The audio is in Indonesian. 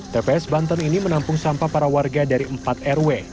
tps banten ini menampung sampah para warga dari empat rw